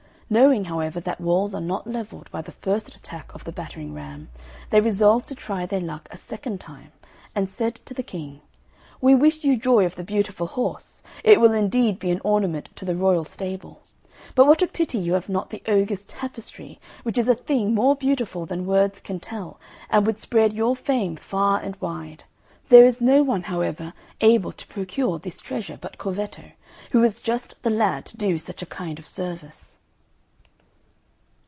Knowing, however, that walls are not levelled by the first attack of the battering ram, they resolved to try their luck a second time, and said to the King, "We wish you joy of the beautiful horse! It will indeed be an ornament to the royal stable. But what a pity you have not the ogre's tapestry, which is a thing more beautiful than words can tell, and would spread your fame far and wide! There is no one, however, able to procure this treasure but Corvetto, who is just the lad to do such a kind of service."